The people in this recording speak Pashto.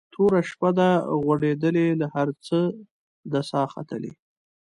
توره شپه ده غوړېدلې له هر څه ده ساه ختلې